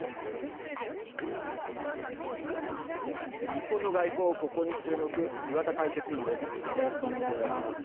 日本の外交ここに注目岩田解説委員です。